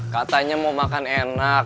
katanya mau makan enak